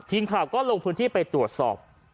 ทีมข่าวก็ลงพื้นที่ไปตรวจสอบ